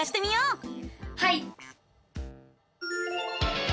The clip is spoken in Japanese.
はい！